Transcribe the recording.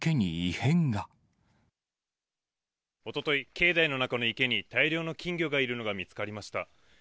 おととい、境内の中の池に大量の金魚がいるのが見つかりました。